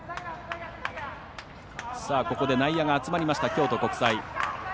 ここで内野が集まりました京都国際。